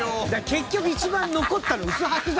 結局一番残ったの「薄伯山」。